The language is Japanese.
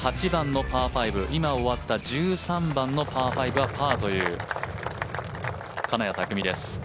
８番のパー５、１３番のパー５はパーという金谷拓実です。